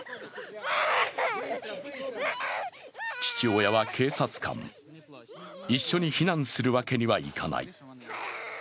父親は警察官、一緒に避難するわけにはいかない。